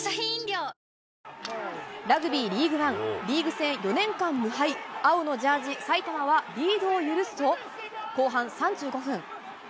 ラグビーリーグワン、リーグ戦４年間無敗、青のジャージ、埼玉はリードを許すと、後半３５分。